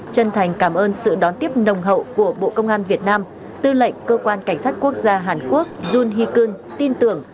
chân thành cảm ơn sự đón tiếp nồng hậu của bộ công an việt nam tư lệnh cơ quan cảnh sát quốc gia hàn quốc yun hikun tin tưởng